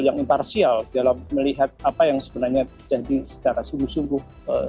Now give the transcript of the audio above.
yang imparsial dalam melihat apa yang sebenarnya terjadi secara sungguh sungguh